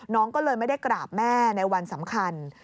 น้องก็เลยไม่ได้กราบแม่ในวันสำคัญ